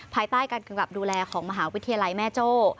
ภายใต้การกำกับดูแลของมหาวิทยาลัยแม่โจ้